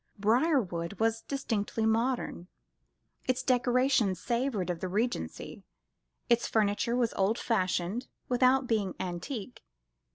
Briarwood was distinctly modern. Its decorations savoured of the Regency: its furniture was old fashioned, without being antique.